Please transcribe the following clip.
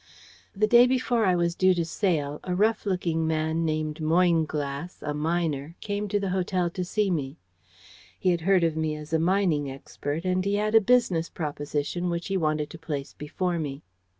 The day before I was due to sail, a rough looking man named Moynglass, a miner, came to the hotel to see me. He had heard of me as a mining expert, and he had a business proposition which he wanted to place before me.